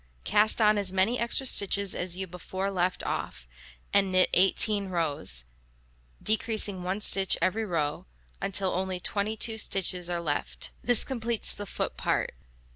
Cast on as many extra stitches as you before let off, and knit 18 rows, decreasing 1 stitch every row, until only 22 stitches are left. This completes the foot part.